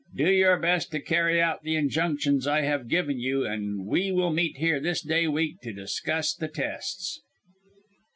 "Do your best to carry out the injunctions I have given you, and we will meet here, this day week, to discuss the tests."